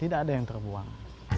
tidak ada yang terbuang